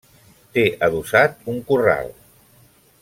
Té adossat un corral.